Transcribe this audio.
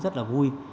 rất là vui